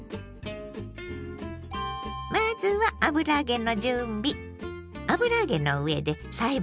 まずは油揚げの準備。